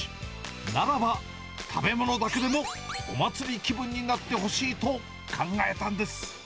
ならば、食べ物だけでもお祭り気分になってほしいと考えたんです。